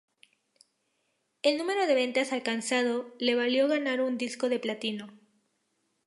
El número de ventas alcanzado, le valió ganar un disco de platino.